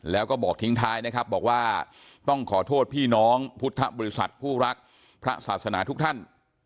แล้วก็บอกทิ้งท้ายนะครับบอกว่าต้องขอโทษพี่น้องพุทธบริษัทผู้รักพระศาสนาทุกท่าน